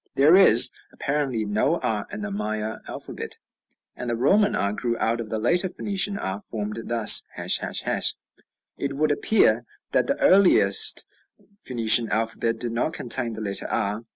There is, apparently, no r in the Maya alphabet; and the Roman r grew out of the later Phoenician r formed thus, ###; it would appear that the earliest Phoenician alphabet did not contain the letter r.